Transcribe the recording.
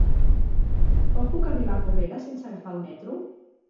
Com puc arribar a Porrera sense agafar el metro?